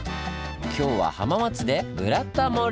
今日は浜松で「ブラタモリ」！